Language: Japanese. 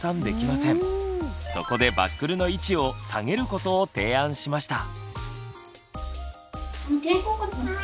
そこでバックルの位置を下げることを提案しました。